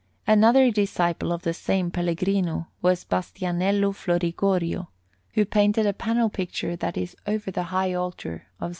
Another disciple of the same Pellegrino was Bastianello Florigorio, who painted a panel picture that is over the high altar of S.